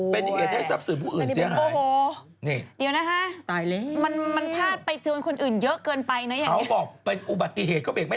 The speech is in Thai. เป็นเหตุให้ทรัพย์สื่อผู้อื่นเสียหาย